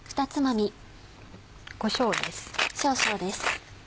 こしょうです。